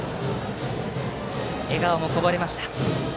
笑顔もこぼれました。